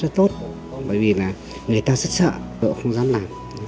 rất tốt bởi vì là người ta rất sợ cậu cũng không dám làm